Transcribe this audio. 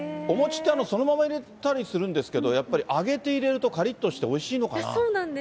お餅っていうのはそのまま入れたりするんですけれども、やっぱり揚げて入れるとかりっとしておいしいのかな。